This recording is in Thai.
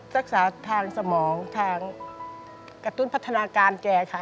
รักษาทางสมองทางกระตุ้นพัฒนาการแกค่ะ